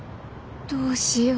どうしよう。